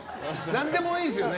何でもいいですよね。